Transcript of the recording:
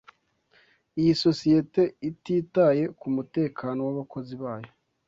Iyi sosiyete ititaye ku mutekano w'abakozi bayo.